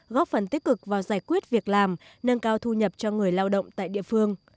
góp phần tích cực vào giải quyết việc làm nâng cao thu nhập cho người lao động tại địa phương